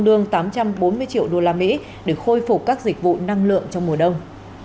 đương tám trăm bốn mươi triệu usd để khôi phục các dịch vụ năng lượng trong mùa đông